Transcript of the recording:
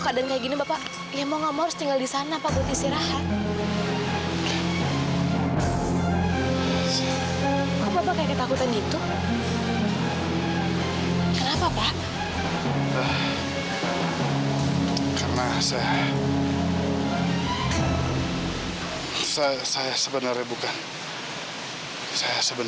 kalau bapak sebenarnya bukan bapaknya rizky